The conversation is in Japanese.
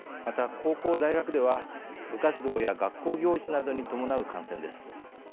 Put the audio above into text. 高校、大学では部活動や学校行事などに伴う感染です。